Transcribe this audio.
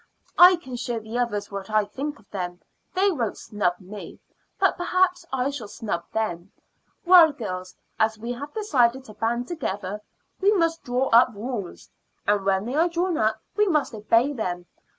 "I can show the others what I think of them. They won't snub me, but perhaps I shall snub them. Well, girls, as we have decided to band together, we must draw up rules; and when they are drawn up we must obey them.